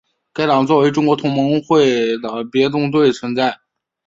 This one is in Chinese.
该党作为中国同盟会的别动队存在。